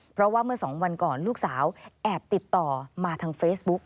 เพราะว่าเมื่อสองวันก่อนลูกสาวแอบติดต่อมาทางเฟซบุ๊ก